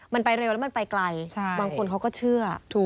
มันไปเร็วแล้วมันไปไกลบางคนเขาก็เชื่อ